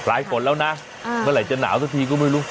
ฝนแล้วนะเมื่อไหร่จะหนาวสักทีก็ไม่รู้